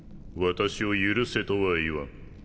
私を許せとは言わん。